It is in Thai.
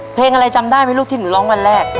เพลงอะไรจำได้ไหมลูกที่หนูร้องวันแรก